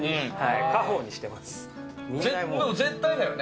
絶対だよね。